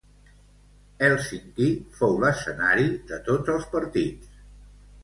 Hèlsinki fou l'escenari de tots els partits.